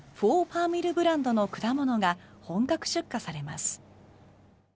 ４パーミルブランドの果物が本格出荷されます。